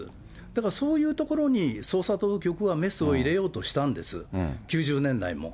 だからそういうところに捜査当局がメスを入れようとしたんです、９０年代も。